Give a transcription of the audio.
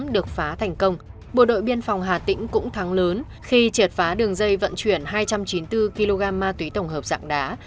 được phá thành công bộ đội biên phòng hà tĩnh cũng thắng lớn khi triệt phá đường dây vận chuyển hai trăm chín mươi bốn kg ma túy tổng hợp dạng đá